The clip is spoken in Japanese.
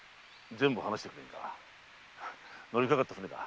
乗りかかった船だ。